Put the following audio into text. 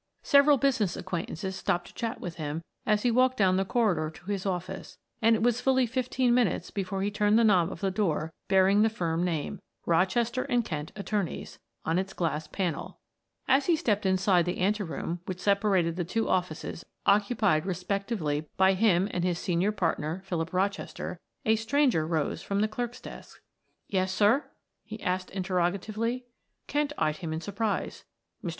Several business acquaintances stopped to chat with him as he walked down the corridor to his office, and it was fully fifteen minutes before he turned the knob of the door bearing the firm name ROCHESTER AND KENT, ATTORNEYS on its glass panel. As he stepped inside the anteroom which separated the two offices occupied respectively by him and his senior partner, Philip Rochester, a stranger rose from the clerk's desk. "Yes, sir?" he asked interrogatively. Kent eyed him in surprise. "Mr.